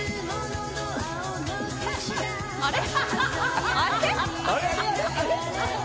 あれ？